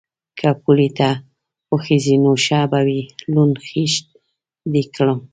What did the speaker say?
_که پولې ته وخېژې نو ښه به وي، لوند خيشت دې کړم.